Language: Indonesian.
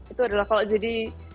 itu adalah kalau jadi